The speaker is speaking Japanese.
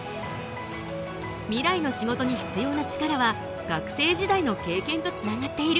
未来の仕事に必要なチカラは学生時代の経験とつながっている。